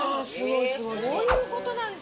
そういうことなんですか。